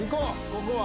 ここは。